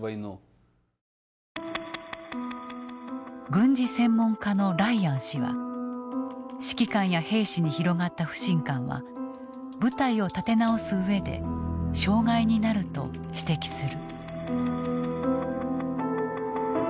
軍事専門家のライアン氏は指揮官や兵士に広がった不信感は部隊を立て直す上で障害になると指摘する。